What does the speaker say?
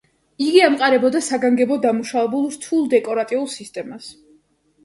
იგი ემყარებოდა საგანგებოდ დამუშავებულ რთულ დეკორატიულ სისტემას.